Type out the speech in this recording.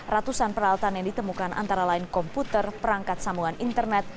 ratusan peralatan yang ditemukan antara lain komputer perangkat sambungan internet